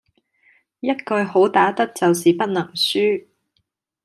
一句好打得就是不能輸